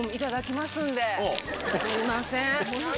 すいません。